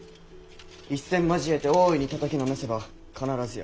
一戦交えて大いにたたきのめせば必ずや崩れましょう。